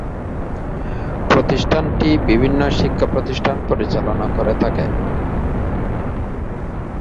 প্রতিষ্ঠানটি বিভিন্ন শিক্ষাপ্রতিষ্ঠান পরিচালনা করে থাকে।